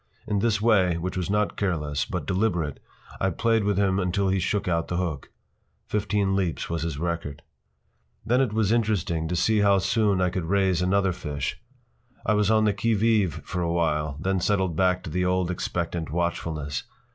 In this way, which was not careless, but deliberate, I played with him until he shook out the hook. Fifteen leaps was his record. Then it was interesting to see how soon I could raise another fish. I was on the qui vive for a while, then settled back to the old expectant watchfulness.